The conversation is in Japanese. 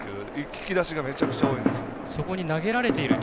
引き出しがめちゃくちゃ多いんです。